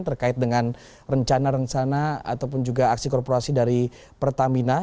terkait dengan rencana rencana ataupun juga aksi korporasi dari pertamina